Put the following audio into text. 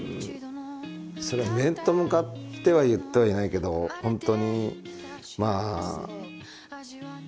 そりゃ面と向かっては言ってはいないけどホントにまあ。